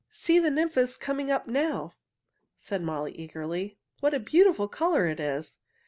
"See, the nymph is coming up now!" said Molly eagerly. "What a beautiful color it is!